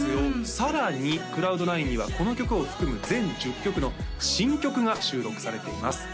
さらに「ＣＬＯＵＤＮＩＮＥ」にはこの曲を含む全１０曲の新曲が収録されています